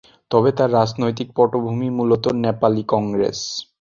তবে তার রাজনৈতিক পটভূমি মূলত নেপালি কংগ্রেস।